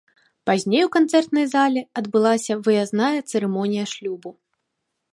Пазней у канцэртнай зале адбылася выязная цырымонія шлюбу.